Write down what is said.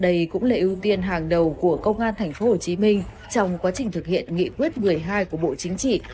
đây cũng là ưu tiên hàng đầu của công an thành phố hồ chí minh trong quá trình thực hiện nghị quyết một mươi hai của bộ chính trị